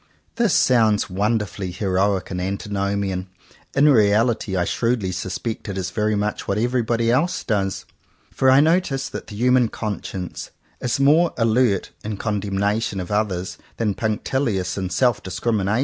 This sounds wonderfully heroic and anti nomian; in reality I shrewdly suspect it is very much what everybody does: for I notice that the human conscience is more alert in condemnation of others than punc tilious in self discrimination.